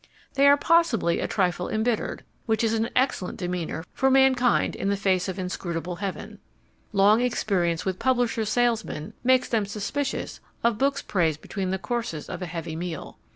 They are possibly a trifle embittered, which is an excellent demeanour for mankind in the face of inscrutable heaven. Long experience with publishers' salesmen makes them suspicious of books praised between the courses of a heavy meal.